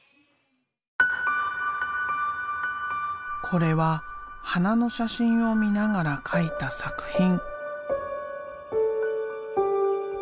これは花の写真を見ながら描いた作品。